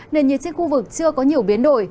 nền nhiệt trên khu vực chưa có nhiều biến đổi